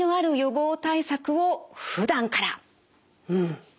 うん。